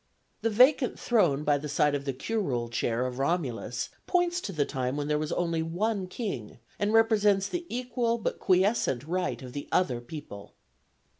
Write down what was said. The vacant throne by the side of the curule chair of Romulus points to the time when there was only one king, and represents the equal but quiescent right of the other people.